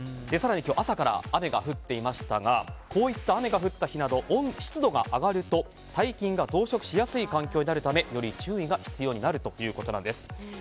更に今日、朝から雨が降っていましたがこういった雨が降った日など湿度が上がると細菌が増殖しやすい環境になるためより注意が必要になるということなんです。